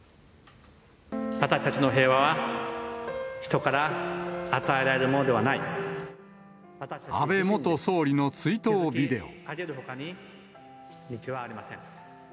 私たちの平和は、人から与え安倍元総理の追悼ビデオ。